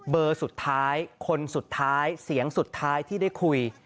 เบอร์สุดท้ายคนสุดท้ายเสียงสุดท้ายที่ได้คุย